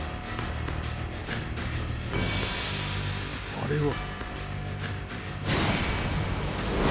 あれは。